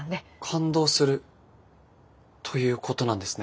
感動するということなんですね。